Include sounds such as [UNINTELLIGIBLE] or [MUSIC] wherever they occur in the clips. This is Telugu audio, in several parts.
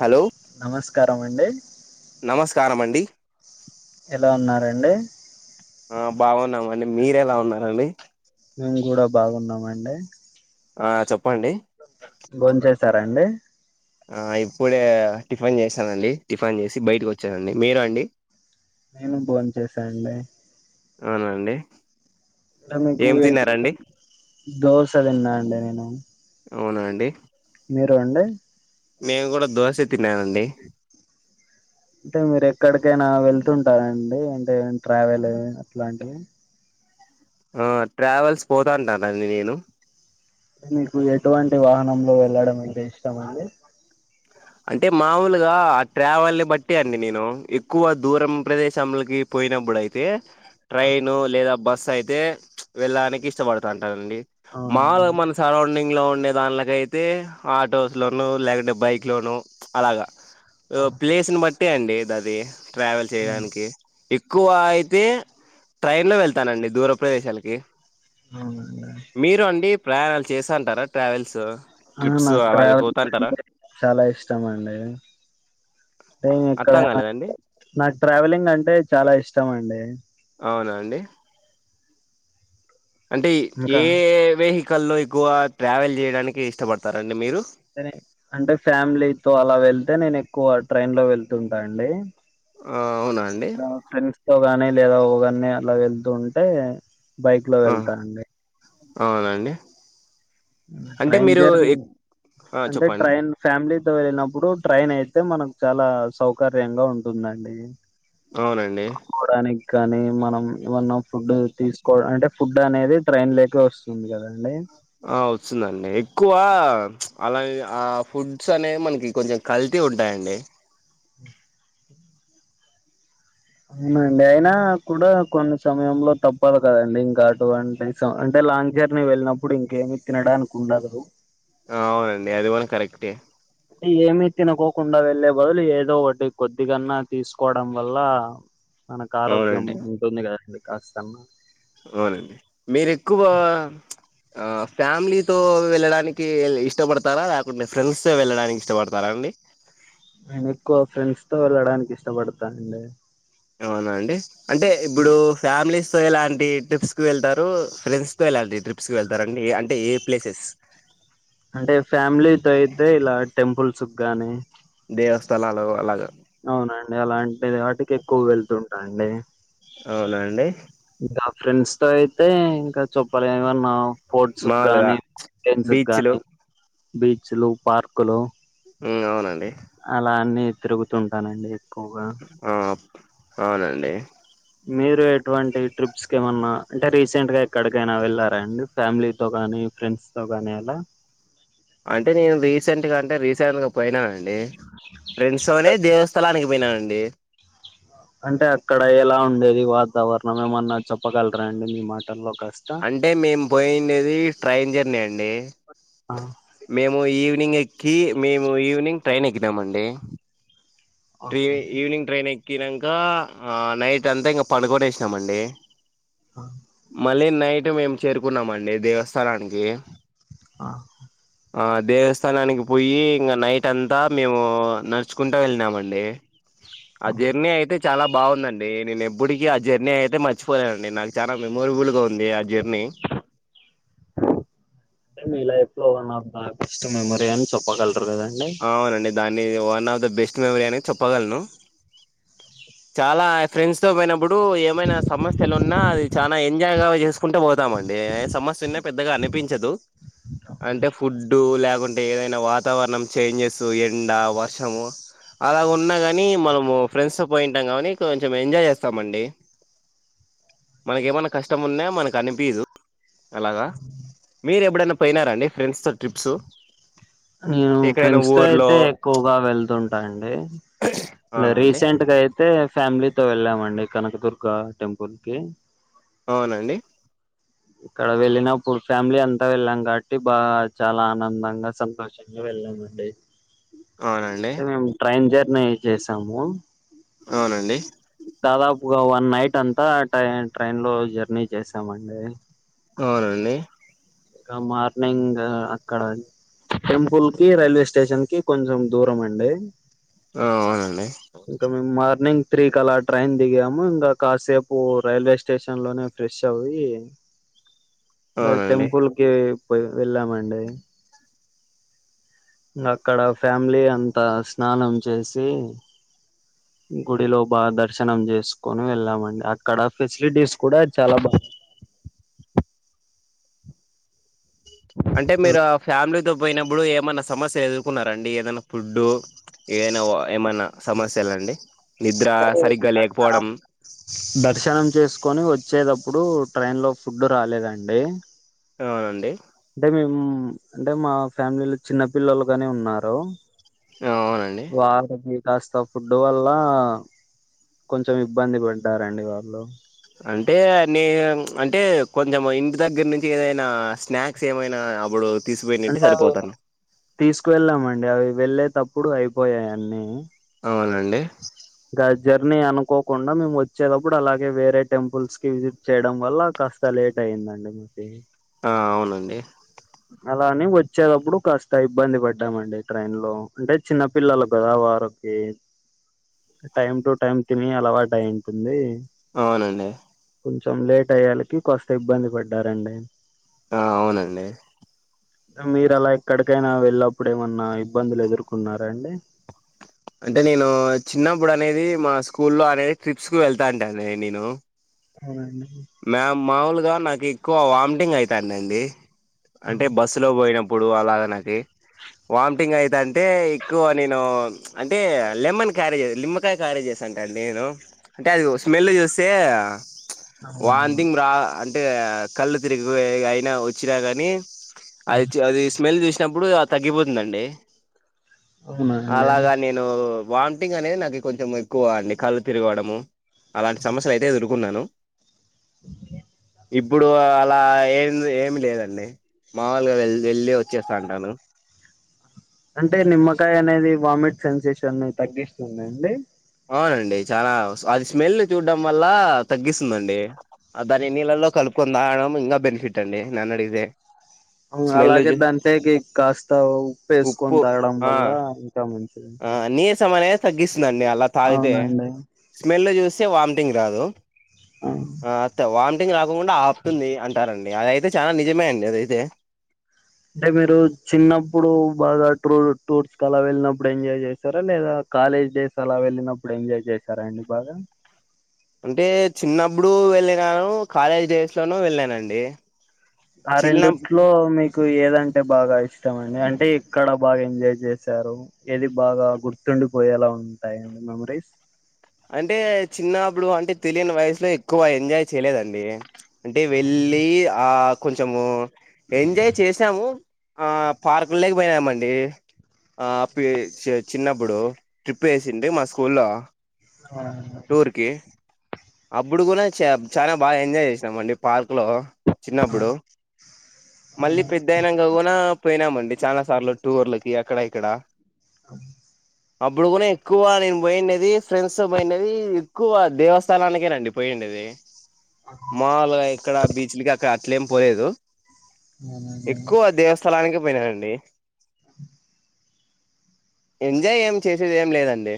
హలో నమస్కారం అండి నమస్కారమండి ఎలా ఉన్నారండి ఆ బావున్నామండి మీరేలా ఉన్నారండి మేము కూడా బాగున్నామండి ఆ చెప్పండి భోన్ చేశారా అండి ఆ ఇప్పుడే టిఫిన్ చేసానండి టిఫిన్ చేసి బయటకి వచ్చానండి మీరు అండి నేను భోన్ చేసా అండి అవున అండి అంటే మీకు దోశ తిన్నా అండి నేను అవునా అండి మీరు అండి మేము కూడా దోశ తిన్నానండి అంటే మీరు ఎక్కడికైనా వెళ్తుంటారండి అంటే ట్రావెల్ అట్లాంటివి ఆ ట్రావెల్స్ పోతాంటానండి నేను మీకు ఎటువంటి వాహనంలో వెళ్ళడం అంటే ఇష్టం అండి అంటే మామూలుగా ఆ ట్రావెల్ని బట్టి అండి నేను ఎక్కువ దూరం ప్రదేశంలోకి పోయినప్పుడుయితే ట్రైను లేదా బస్సు అయితే వెళ్ళడానికి ఇష్టపడుతాంటానండి అవునండి మాలుగా మన సరౌండింగ్లో ఉండే దాంలోకైతే ఆటోస్లోనూ లేదంటే బైక్ ఇట్లోను అలాగా అవును. ప్లేస్ని బట్టి అండి ఇది అది ట్రావెల్ అవును. చేయడానికి ఎక్కువయితే ట్రైన్ లో వెళ్తానండి దూర ప్రదేశాలకి అవునా అండి మీరు అండి ప్రయాణాలు చేస ఉంటారా ట్రావెల్స్ అ ట్రిప్స్ నాకు అలాగే ట్రావెల్స్ పోతంటారా అంటే చాలా ఇష్టం అండి ఆ అర్థం ఎక్కడైనా కాలేదండి నాకు ట్రావెలింగ్ అంటే చాలా ఇష్టం అండి అవునా అండి అంటే ఏ ఇంకా వెహికల్ల్లో ఎక్కువ ట్రావెల్ చేయడానికి ఇష్టపడతారండి మీరు అంటే ఫ్యామిలీతో అలా వెళ్తే నేను ఎక్కువ ట్రైన్ లో వెళ్తుంటా అండి ఆ అవునా అండి మా ఫ్రెండ్స్ తో గాని లేదా ఒక్కన్ని అలా వెళ్తుంటే బైక్ లో వెళ్తానండి అవునా అండి అంటే ట్రైన్ మీరు జర్నీ అంటే చెప్పండి ట్రైన్ ఫ్యామిలీతో వెళ్ళినప్పుడు ట్రైన్ అయితే మనకు చాలా సౌకర్యంగా ఉంటుదండి అవునండి కోవడానికి కాని మనం ఏమన్నా ఫుడ్ తీసుకోవ అంటే ఫుడ్ అనేది ట్రైన్ లేక వస్తు టుంది కదండి ఆ వస్తుందండి ఎక్కువ అలా ఆ ఫుడ్స్ అనే మనకి కొంచెం కల్తీ ఉంటయండి అవునండి అయినా కూడా కొన్ని సమయంలో తప్పదు కదండి ఇంకా అటువంటి అంటే లాంగ్ జర్నీ వెళ్ళినప్పుడు ఇంకేమి తినడానికి ఉండదు అవునండి అది కూడా కరెక్టే అంటే ఏమి తినకోకుండా వెళ్లే బదులు ఏదో ఒకటి కొద్ది గన్నా తీసుకోవడం వల్ల మనకు ఆరోగ్యం అవునండి ఉంటుంది కదండి కాస్త అన్న అవునండి మీరు ఎక్కువ ఆ ఫ్యామిలీతో వెళ్ళడానికి ఇష్టపడతారా లేకుంటే ఫ్రెండ్స్తో వెళ్ళడానికి ఇష్టపడతారా అండి నేను ఎక్కువ ఫ్రెండ్స్ తో వెళ్ళడానికి ఇష్టపడతానండి అవునా అండి అంటే ఇప్పుడు ఫ్యామిలీస్ తో ఎలాంటి ట్రిప్స్కి కి వెళ్తారు ఫ్రెండ్స్ తో ఎలాంటి ట్రిప్స్ కి వెళ్తారు అంటే అంటే ఏ ప్లేసెస్ అంటే ఫ్యామిలీతో అయితే ఇలా టెంపుల్స్ గానీ దేవస్థలాలు అలాగ అవునండి అలాంటి అటుకెక్కువ వెళ్తుంటా అండి అవునా అండి ఇంకా ఫ్రెండ్స్ తో అయితే ఇంకా చెప్పలేం గా మనం స్పోర్ట్స్ మాములుగా గాని టెన్స్ బీచ్లు గానీ బీచ్లు పార్కులు మ్మ్ అవునండి అలా అన్నీ తిరుగుతుంటానండి ఎక్కువగా ఆ అవునండి మీరు ఎటువంటి ట్రిప్స్ కేమన్నా అంటే రీసెంట్ గా ఎక్కడికైనా వెళ్ళారా అండి ఫ్యామిలీ తో గాని ఫ్రెండ్స్ తో గాని అలా అంటే నేను రీసెంట్గా అంటే రీసెంట్గా పోయినానండి ఫ్రెండ్స్ తోనే దేవస్థలానికి పోయినానండి అంటే అక్కడ ఎలా ఉండేది వాతావరణం ఏమన్నా చెప్పగలరా అండి మీ మాటల్లో కాస్త అంటే మేము పోయిండేది ట్రైన్ జర్నీ అండి ఆ మేము ఈవినింగ్ ఎక్కి మేము ఈవినింగ్ ట్రైన్ ఎక్కినామండి ట్రీ ఓకే ఈవినింగ్ ట్రైన్ ఎక్కినంకా ఆ నైట్ అంతా ఇంగా పనుకొనేసినామండి ఆ మళ్ళీ నైట్ మేము చేరుకున్నామండి దేవస్థానానికి ఆ ఆ దేవస్థానానికి పోయి ఇంగా నైట్ అంతా మేము నడుచుకుంటా వెళ్ళినామండి లే ఆ జర్నీ అయితే చాలా బాగుందండి నేను ఎప్పటికీ ఆ జర్నీ అయితే మర్చిపోలేనండి నాకు చానా మెమోరబుల్ గా ఉంది ఆ జెర్నీ అంటే మీ లైఫ్ లో ఉన్న బ బెస్ట్ మెమరీ అని చెప్పగలరు కదండి అవునండి దాన్ని one of the best memory అని చెప్పగలను చాలా ఫ్రెండ్స్ తో పోయినప్పుడు ఏమైనా సమస్యలు ఉన్నా అది చాలా ఎంజాయ్ గా చేస్ ఉంట పోతామండి సమస్య ఉన్న పెద్దగా అనిపించదు అంటే ఫుడ్ లేకుంటే అంటే ఏదైనా వాతావరణం చేంజెస్ ఎండ వర్షము అలా ఉన్నా కాని మనము ఫ్రెండ్స్ తో పోయింటాం కానీ కొంచెం ఎంజాయ్ చేస్తామండి మనకేమన్నా కష్టం ఉన్న మనకు అనిపీదు అలాగా మీరు ఎప్పుడైనా పోయినారా అండి ఫ్రెండ్స్ తో ట్రిప్స్ నేను ఎక్కడైనా ఫ్రెండ్స్ తో ఊర్లో అయితే ఎక్కువగా వెళ్తుంటా అండి అ రీసెంట్గా అయితే ఫ్యామిలీతో వెళ్ళామండి కనకదుర్గ టెంపుల్ కి అవునండి ఇక్కడ వెళ్ళినప్పుడు ఫ్యామిలీ అంతా వెళ్ళాం కాబట్టి బాగా చాలా ఆనందంగా సంతోషంగా వెళ్ళామండి అవునండి ఆ మేము ట్రైన్ జర్నీ చేసాము అవునండి దాదాపుగా వన్ నైట్ అంతా టై ట్రైన్ లో జర్నీ చేశామండి అవునండి క మార్నింగ్ అక్కడ టెంపుల్ కి రైల్వే స్టేషన్ కి కొంచెం దూరం అండి ఆ అవునండి ఇంకా మేము మార్నింగ్ త్రీ కలా ట్రైన్ దిగాము ఇంకా కాసేపు రైల్వే స్టేషన్ లోనే ఫ్రెష్ అవి ఇ అవునండి టెంపుల్కి పోయి వెళ్ళామండి అక్కడ ఫ్యామిలీ అంతా స్నానం చేసి గుడిలో బాగా దర్శనం చేసుకుని వెళ్ళామండి అక్కడ ఫెసిలిటీస్ కూడా చాలా బా అంటే మీరు ఆ ఫ్యామిలీతో పోయినప్పుడు ఏమన్నా సమస్య ఎవు కున్నారండి ఏదైనా ఫుడ్డు ఏనవా ఏమైనా సమస్యలండి నిద్ర సరిగ్గా లేకపోవడం దర్శనం దర్శనం చేసుకొని వచ్చేటప్పుడు ట్రైన్ లో ఫుడ్ రాలేదండి అవునండి అంటే మేము అంటే మా ఫ్యామిలీలో చిన్న పిల్లలుగానే ఉన్నారు అవునండి వాలికి కాస్త ఫుడ్ వల్ల కొంచెం ఇబ్బంది పడ్డారండి వాళ్ళు అంటే నే అంటే కొంచెం ఇంటి దగ్గర నుంచి ఏదైనా స్నాక్స్ ఏమైనా అప్పుడు తీసిపోయినంటే అంటే అవి సరిపోతాను తీసుకు వెెళ్ళామండి అవి వెళ్ళేటప్పుడు అయిపోయాయి అన్నీ అవునండి ఆ జర్నీ అనుకోకుండా మేము వచ్చేటప్పుడు అలాగే వేరే టెంపుల్స్ కి విజిట్ చేయడం వల్ల కాస్త లేట్ అయిందండి మీకి ఆ అవునండి అలాని వచ్చేటప్పుడు కాస్త ఇబ్బంది పడ్డామండి ట్రైన్ లో అంటే చిన్న పిల్లలు కదా వారికి టైమ్ టు టైమ్ తిని అలవాటు అయింటుంది అవునండి కొంచెం లేట్ అయ్యాలికి కొస్త ఇబ్బంది పడ్డారండి అవునండి మీరు అలా ఎక్కడికైనా వెళ్ళప్పుడు ఏమన్నా ఇబ్బందులు ఎదుర్కొన్నారా అండి అంటే నేను చిన్నప్పుడు అనేది మా స్కూల్ లో అనేది ట్రిప్స్ కు వెళ్తా అంట అండి నేను ఉ మా మాములుగా నాకు ఎక్కువ వామిటింగ్ అవుతాండండి అంటే బస్సు లో పోయిన అప్పుడు అలాగా నాకి వామిటింగ్ అయితంటే ఎక్కువ నేను అంటే లెమన్ క్యారేజ్ లిమ్ కా క్యారీ చేస్తాంటి అండి నేను అంటే అది స్మెల్ చూస్తే అవునండి వాంతింగ్ రా అంటే కళ్ళు తిరిగి అయినా వచ్చినా కానీ అది చు అది స్మెల్ చూసినప్పుడు తగ్గిపోతుందండి అవునా అండి అలాగా నే ను వామిటింగ్ అనేది నాకు కొంచెం ఎక్కువ అండి కళ్ళు తిరగడము అలాంటి సమస్యలు అయితే ఎదుర్కొన్నాను ఇ ఇప్పుడు అలా ఏం ఏమి లేదండి మాములుగా వె వెళ్ళి వచ్చేస్తంటాను అంటే నిమ్మకాయ అనేది వామిట్ సెన్సేషన్ తగ్గిస్తుంది అండి అవునండి చానా అది స్మెల్ చూడ్డం వల్ల తగ్గిస్తుందండి దాని నీళ్లలో కలుపుకొని తాగడం ఇంకా బెనిఫిట్ అండి నన్నడిగితే అలాగే దాంటేకి కాస్త ఉప్పు వేసుకొని తాగడం వల్ల ఇంకా మంచిది ఆ నీరసం అనేది తగ్గిస్తుందండి అలా తాగితే అవునండి స్మెల్ చూస్తే వాంతింగ్ రాదు ఆ ఆ అతే వామిటింగ్ రాకోకుండా ఆపుతుంది అంటారండి అదయితే చాలా నిజమే అండి అదైతే అంటే మీరు చిన్నప్పుడు బాగా ట్రూ టూర్స్ కలా వెళ్ళినప్పుడు ఎంజాయ్ చేసారా లేదా కాలేజ్ డేస్ అలా వెళ్ళినప్పుడు ఎంజాయ్ చేశారా అండి బాగా అంటే చిన్నప్పుడు వెళ్ళినాను కాలేజ్ డేస్ లోనూ వెళ్ళానండి ఆ చిన్న రెండుట్లో మీకు ఏదంటే బాగా ఇష్టం అండి అంటే ఇక్కడ బాగా ఎంజాయ్ చేశారు ఏది బాగా గుర్తుండిపోయేలా ఉంటాయండి మెమరీస్ అంటే చిన్నాప్పుడు అంటే తెలియని వయసులో ఎక్కువ ఎంజాయ్ చేయలేదండి అంటే వెళ్ళి ఆ కొంచమూ ఎంజాయ్ చేసాము ఆ పార్కులేక పోయినామండి ఆ పి చెచ్ చిన్నప్పుడు ట్రిప్ ఏసింది మా స్కూల్ లో ఆహ్ టూర్ కి అప్పుడు కూడా చ చాలా బాగా ఎంజాయ్ చేసినాం అండి పార్క్ లో చిన్నప్పుడు మళ్ళీ పెద్ ద్దైయనంగా కూడా పోయినామండి చాలా సార్లు టూర్లకి అక్కడ ఇక్కడ అవు అప్పుడు కూడా ఎక్కువ నేను పోయిన్నది ఫ్రెండ్స్ తో పోయిన్నది ఎక్కువ దేవస్ స్థలానికేనండి పోయిండేది మావుల్ గా ఇక్కడ బీచ్లకి అక్కడ అట్లేం పోలేదు అవునండి ఎక్కువ దేవస్థలానికే పోయినానండి ఎంజాయ్ ఏం చేసేది ఏం లేదండి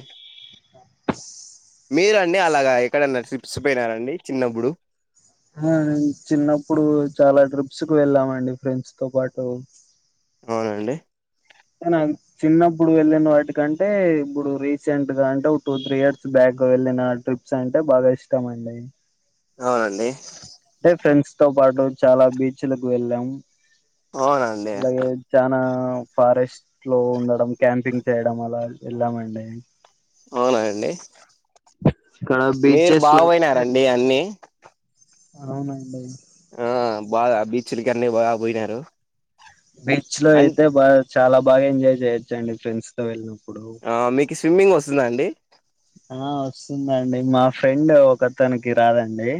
ల్లిరండి అలాగ ఎక్కడన్నా ట్రిప్స్ పోయినారండి చిన్నప్పుడు ఆ చిన్నప్పుడు చాలా ట్రిప్స్ కు వెళ్ళామండి ఫ్రెండ్స్ తో పాటు అవును అండి [UNINTELLIGIBLE] చిన్నప్పుడు వెళ్ళిన వాటికంటే ఇప్పుడు రీసెంట్ గా అంటే ఒక టూ త్రీ ఇయర్స్ బ్యాక్ వెళ్ళినా ట్రిప్ సంటే బాగా ఇష్టం అండి అవునండి అంటే ఫ్రెండ్స్ తో పాటు చాలా బీచ్లకు వెళ్ళాము అవునండి అలాగే చానా ఫారెస్ట్ లో ఉండడం క్యాంపింగ్ చేయడం అలా ఎళ్ళాము అండి అవునా అండి ఇక్కడ మీరు బీచెస్ లో అయితే బాపోయినారండి అన్ని అవునండి ఆ బాగా బీచ్లకి అన్నిీ బాగా పోయినారు బీచ్ లో అన్ అయితే బాగా చాలా బాగా ఎంజాయ్ చేయోచ్చండి ఫ్రెండ్స్ తో వెళ్ళినప్పుడు ఆ మీకు స్విమ్మింగ్ వస్తుందా అండి ఆ వస్తుందండి మా ఫ్రెండ్ ఒక తనకి రాదండి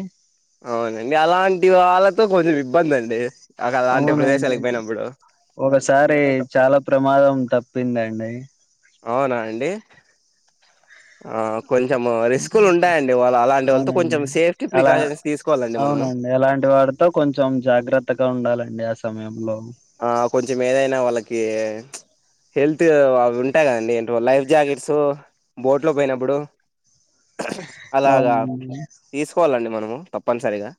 అవునండి అలాంటి వాళ్ళతో కొంచెం ఇబ్బంది అండి అక అలాంటి అవునండి ప్రదేశాలకు పోయినప్పుడు ఒకసారి చాలా ప్రమాదం తప్పిందండి అవునా అండి ఆ కొంచెము అంటే రిస్కులు ఉంటాయండి వాళ అలాంటి ఓళ్ళతో అవునండి కొంచెం సేఫ్టీ అలా ప్రికాషన్స్ తీసుకోవాలండి మనము తో కొంచెం జాగ్రత్తగా ఉండాలండి ఆ సమయంలో ఆ కొంచం ఏదైనా వాళ్ళకీ హెల్త్ అవి ఉంటాయి కదండి ఏంటో లైఫ్ జాకెట్స్ బోట్ లో పోయినప్పుడు అలాగా అవునండి తీసుకోవాలండి మనము తప్పనిసరిగా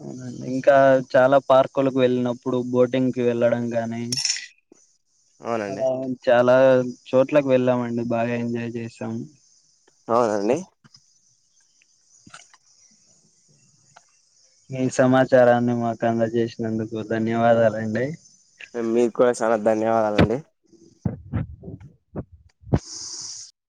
అవునండి ఇంకా చాలా పార్కులకు వెళ్ళినప్పుడు బోటింగ్కి వెళ్ళడం గానీ అవునండి అలా చాలా చోట్లకు వెళ్ళామండి బాగ ఎంజాయ్ జేసాము అవునండి ఈ సమాచారాన్ని మాకు అందజేసినందుకు ధన్యవాదాలండి మీక్కుడ చాలా ధన్యవాదాలండి